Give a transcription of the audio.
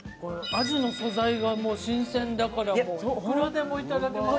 鯵の素材が新鮮だからもういくらでもいただけますね。